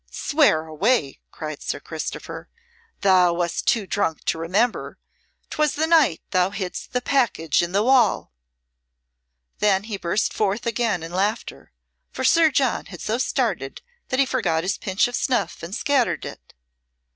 "Swear away!" cried Sir Christopher; "thou wast too drunk to remember. 'Twas the night thou hidst the package in the wall." Then he burst forth again in laughter, for Sir John had so started that he forgot his pinch of snuff and scattered it.